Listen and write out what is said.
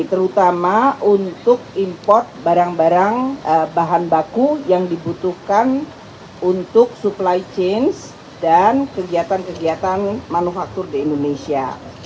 terutama untuk import barang barang bahan baku yang dibutuhkan untuk supply chain dan kegiatan kegiatan manufaktur di indonesia